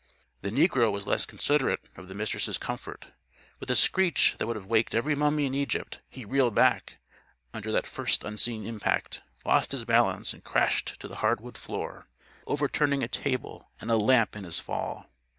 The negro was less considerate of the Mistress' comfort. With a screech that would have waked every mummy in Egypt, he reeled back, under that first unseen impact, lost his balance and crashed to the hardwood floor, overturning a table and a lamp in his fall.